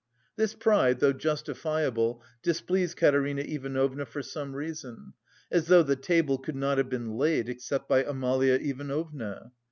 This pride, though justifiable, displeased Katerina Ivanovna for some reason: "as though the table could not have been laid except by Amalia Ivanovna!"